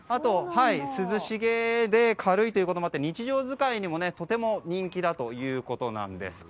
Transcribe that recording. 涼しげで軽いということもあって日常使いにもとても人気だということです。